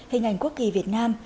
hình ảnh quốc kỳ việt nam